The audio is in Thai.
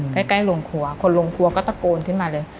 ใกล้โรงครัวคนโรงครัวก็ตะโกนขึ้นมาเลย